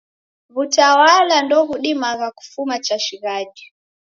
W'utawala ndoghudimagha kufuma chashighadi.